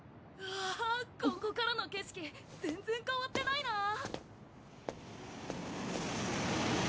わここからの景色全然変わってないな。